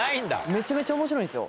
めちゃめちゃ面白いんです。